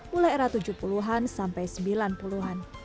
mulai era tujuh puluh an sampai sembilan puluh an